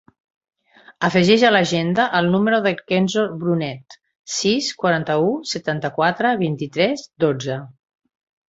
Afegeix a l'agenda el número del Kenzo Brunet: sis, quaranta-u, setanta-quatre, vint-i-tres, dotze.